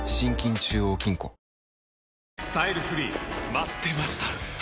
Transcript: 待ってました！